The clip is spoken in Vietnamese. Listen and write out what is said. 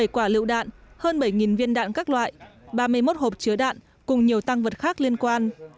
một mươi quả lựu đạn hơn bảy viên đạn các loại ba mươi một hộp chứa đạn cùng nhiều tăng vật khác liên quan